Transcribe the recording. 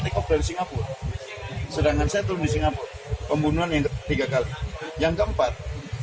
take off dari singapura sedangkan saya turun di singapura pembunuhan yang ketiga kali yang keempat